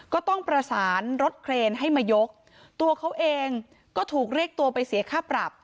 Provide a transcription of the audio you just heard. ก็ต้องประสานรถเครนให้มายกตัวเขาเองก็ถูกเรียกตัวไปเสียค่าปรับ